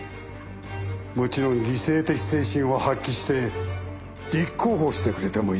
もちろん犠牲的精神を発揮して立候補してくれてもいいが。